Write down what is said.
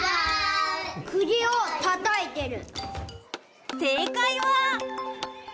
くぎをたたいてる。